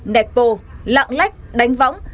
nẹp pô lặng lách đánh võng